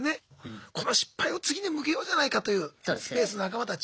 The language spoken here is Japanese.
この失敗を次に向けようじゃないかというスペースの仲間たち。